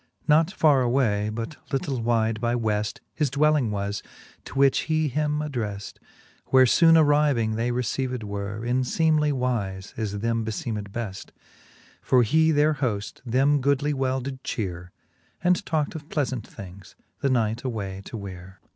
Not farre away , but little wide by Weft, His dwelling was, to which he him addreft j Where foone arriving they received were In feemely wife, as them befeemed beft : For he their hoft them goodly well did cheare, And talk't of pleafant things^ the night away to weare.